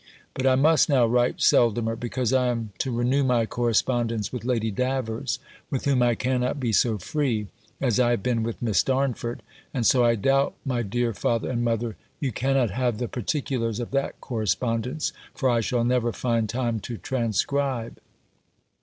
But I must now write seldomer, because I am to renew my correspondence with Lady Davers; with whom I cannot be so free, as I have been with Miss Darnford; and so I doubt, my dear father and mother, you cannot have the particulars of that correspondence; for I shall never find time to transcribe.